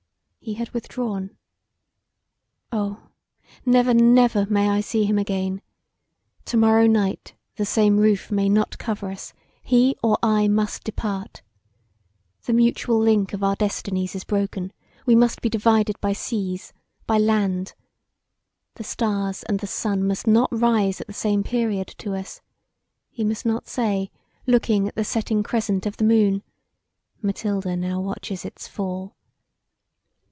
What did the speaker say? He had withdrawn. Oh, never, never, may I see him again! Tomorrow night the same roof may not cover us; he or I must depart. The mutual link of our destinies is broken; we must be divided by seas by land. The stars and the sun must not rise at the same period to us: he must not say, looking at the setting crescent of the moon, "Mathilda now watches its fall."